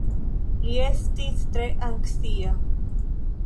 Li estis tre anksia.